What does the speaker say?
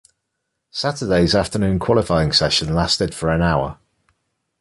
Saturday's afternoon qualifying session lasted for an hour.